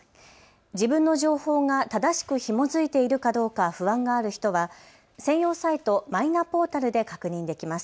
自分の情報が正しくひも付いているかどうか不安がある人は専用サイト、マイナポータルで確認できます。